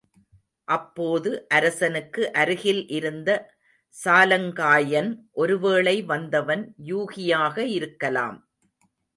அப்போது அரசனுக்கு அருகில் இருந்த சாலங்காயன், ஒருவேளை வந்தவன் யூகியாக இருக்கலாம்.